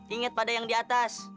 ingat pada yang diatas